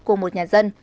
của một nhà dân